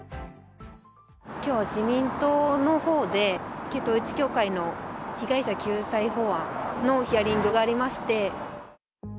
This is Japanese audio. きょう、自民党のほうで、旧統一教会の被害者救済法案のヒアリングがありまして。